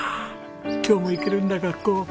今日も行けるんだ学校。